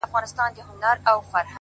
• هر اندام يې دوو ټگانو وو ليدلى,